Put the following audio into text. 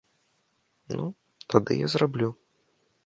Ну, тады я зраблю.